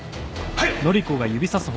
はい！